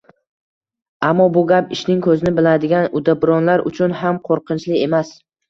Ammo bu gap «ishning ko‘zini biladigan» uddaburonlar uchun ham qo‘rqinchli emas.